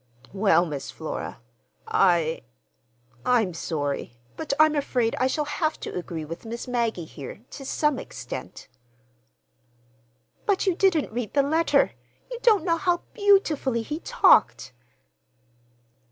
"Well, Miss Flora, I—I'm sorry, but I'm afraid I shall have to agree with Miss Maggie here, to some extent." "But you didn't read the letter. You don't know how beautifully he talked."